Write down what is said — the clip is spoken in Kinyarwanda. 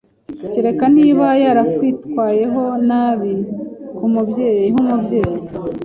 Cyereka niba yarakwitwayeho nabi nkumubyeyi